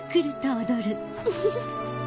フフフ。